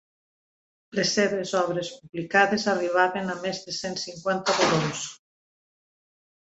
Les seves obres publicades arribaven a més de cent cinquanta volums.